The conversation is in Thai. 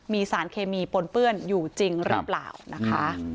มีสารเคมีปนเปื้อนอยู่จริงหรือเปล่านะคะ